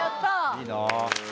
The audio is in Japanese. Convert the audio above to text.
いいなぁ。